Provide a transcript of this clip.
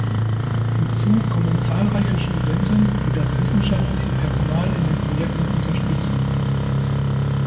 Hinzu kommen zahlreiche Studenten, die das wissenschaftliche Personal in den Projekten unterstützen.